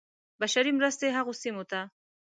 بشري مرستې هغو سیمو ته.